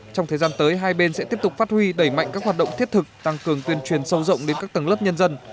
trong thời gian tới hai bên sẽ tiếp tục phát huy đẩy mạnh các hoạt động thiết thực tăng cường tuyên truyền sâu rộng đến các tầng lớp nhân dân